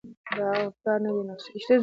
د هغه افکار دې نقد شي.